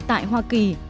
tại hoa kỳ